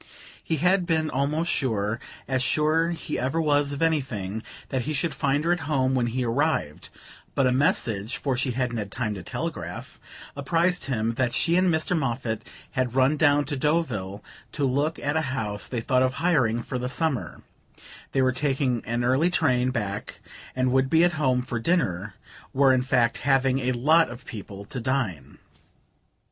He had been almost sure as sure as he ever was of anything that he should find her at home when he arrived; but a message (for she hadn't had time to telegraph) apprised him that she and Mr. Moffatt had run down to Deauville to look at a house they thought of hiring for the summer; they were taking an early train back, and would be at home for dinner were in fact having a lot of people to dine.